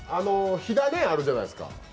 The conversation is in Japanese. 火種あるじゃないですか。